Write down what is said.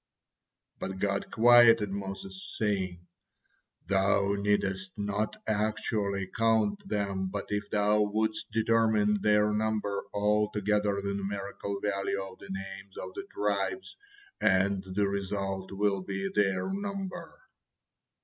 But God quieted Moses, saying: "Thou needest not actually count them, but if thou wouldst determine their number, add together the numerical value of the names of the tribes, and the result will be their number."